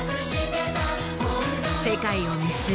世界を見据え